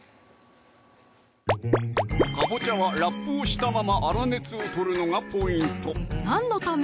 かぼちゃはラップをしたまま粗熱を取るのがポイント何のため？